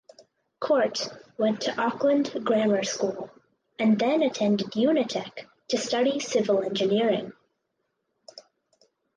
Court went to Auckland Grammar School and then attended Unitec to study civil engineering.